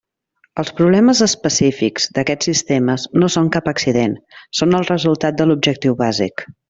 Els problemes específics d'aquests sistemes no són cap accident; són el resultat de l'objectiu bàsic.